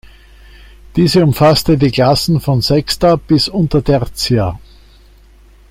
Diese umfasste die Klassen von Sexta bis Untertertia.